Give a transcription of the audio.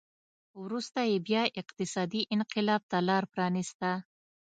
وروسته یې بیا اقتصادي انقلاب ته لار پرانېسته